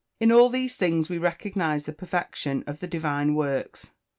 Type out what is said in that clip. In all these things, we recognise the perfection of the divine works.